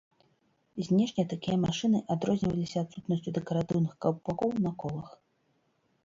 Знешне такія машыны адрозніваліся адсутнасцю дэкаратыўных каўпакоў на колах.